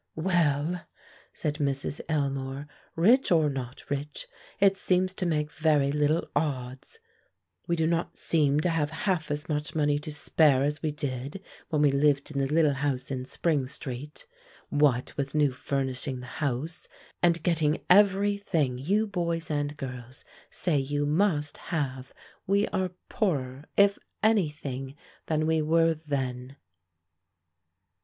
"Well," said Mrs. Elmore, "rich or not rich, it seems to make very little odds; we do not seem to have half as much money to spare as we did when we lived in the little house in Spring Street. What with new furnishing the house, and getting every thing you boys and girls say you must have, we are poorer, if any thing, than we were then."